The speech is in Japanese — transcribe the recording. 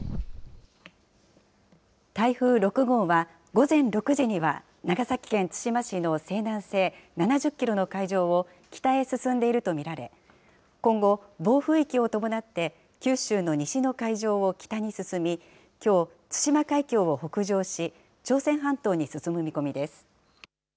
台風６号は午前６時には長崎県対馬市の西南西７０キロの海上を北へ進んでいると見られ、今後、暴風域を伴って、九州の西の海上を北に進み、きょう、対馬海峡を北上し、朝鮮半島に進む見込みです。